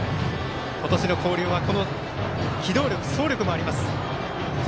今年の広陵は機動力、走力もあります。